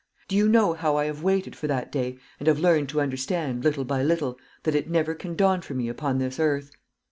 Do you know how I have waited for that day, and have learned to understand, little by little, that it never can dawn for me upon this earth?